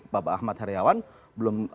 bapak ahmad ibrahim belum